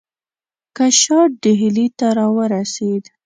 که شاه ډهلي ته را ورسېد.